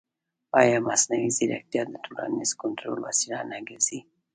ایا مصنوعي ځیرکتیا د ټولنیز کنټرول وسیله نه ګرځي؟